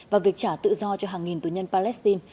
và việc trả tự do cho hàng nghìn tù nhân palestine